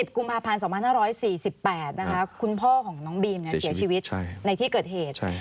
กุมภาพันธ์๒๕๔๘คุณพ่อของน้องบีมเสียชีวิตในที่เกิดเหตุ